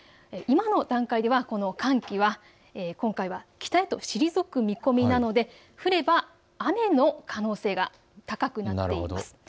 今の段階では寒気が今回は北へと退く見込みなので降れば雨の可能性が高くなっています。